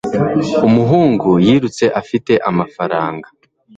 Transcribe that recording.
umuhungu yirutse afite amafaranga